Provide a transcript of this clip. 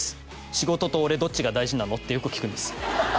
仕事と俺どっちが大事なの？ってよく聞くんです